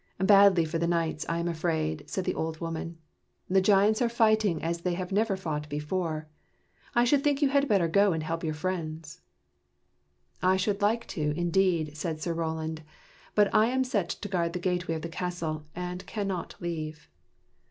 " Badly for the knights, I am afraid," said the old woman. " The giants are fighting as they have never fought before. I should think you had better go and help your friends." " I should like to, indeed," said Sir Roland. " But I am set to guard the gateway of the castle, and can not leave."